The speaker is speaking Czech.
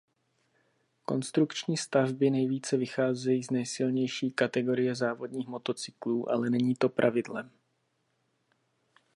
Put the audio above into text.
Konstrukční stavby nejvíce vycházejí z nejsilnější kategorie závodních motocyklů ale není to pravidlem.